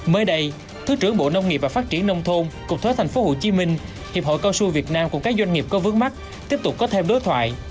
mới đây thứ trưởng bộ nông nghiệp và phát triển nông thôn cục thuế tp hcm hiệp hội cao su việt nam cùng các doanh nghiệp có vướng mắt tiếp tục có thêm đối thoại